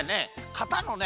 かたのね